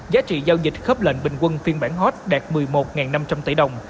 giá trị giao dịch khớp lệnh bình quân phiên bản hot đạt một mươi một năm trăm linh tỷ đồng